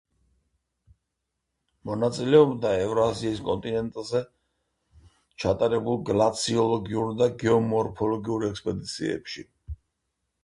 მონაწილეობდა ევრაზიის კონტინენტზე ჩატარებულ გლაციოლოგიურ და გეომორფოლოგიურ ექსპედიციებში.